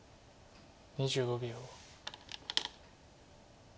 ２５秒。